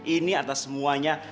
ini atas semuanya